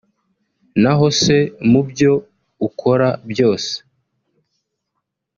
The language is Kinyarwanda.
Naho se mu byo ukora byose